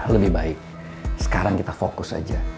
lebih baik sekarang kita fokus aja